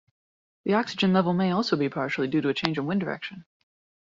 The oxygen level may also be partially due to a change in wind direction.